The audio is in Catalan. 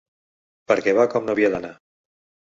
Perquè va com no havia d’anar.